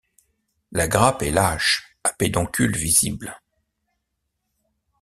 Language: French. La grappe est lâche, à pédoncule visible.